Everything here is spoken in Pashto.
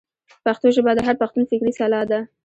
پښتو ژبه د هر پښتون فکري سلاح ده.